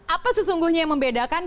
apa sesungguhnya yang membedakan